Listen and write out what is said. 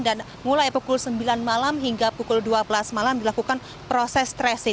dan mulai pukul sembilan malam hingga pukul dua belas malam dilakukan proses tracing